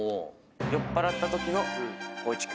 酔っぱらったときの光一君。